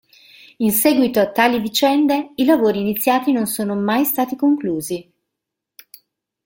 In seguito a tali vicende i lavori iniziati non sono mai stati conclusi.